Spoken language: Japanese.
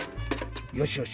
よしよし。